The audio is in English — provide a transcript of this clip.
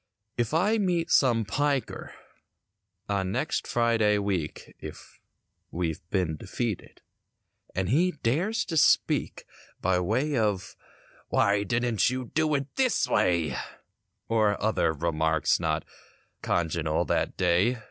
If I meet some "piker" on next Friday week, (If we've been defeated) and he dares to speak By way of "why didn't you do it this way" Or other remarks not congenial that day.